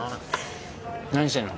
何してんの？